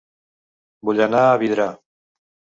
Vull anar a Vidrà